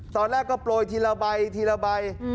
ตอนแรกก็โปรยทีละใบทีละใบ